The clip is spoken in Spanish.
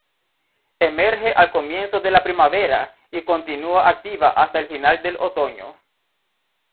Emerge al comienzo de la primavera y continua activa hasta el final del otoño.